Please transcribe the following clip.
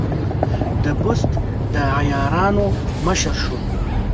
د بست د عیارانو مشر شو.